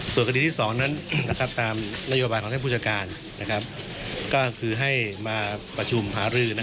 ส่วนคดีที่๒นั้นตามนโยบายของท่านผู้จัดการก็คือให้มาประชุมหารือ